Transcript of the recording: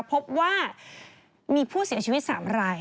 พบว่ามีผู้เสียชีวิต๓ราย